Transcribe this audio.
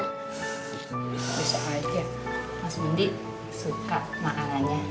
bisa aja mas mundi suka makanannya